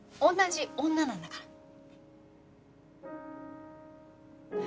同じ女なんだから。